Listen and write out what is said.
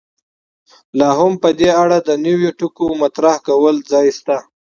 لا هم په دې اړه د نویو ټکو مطرح کولو ځای شته.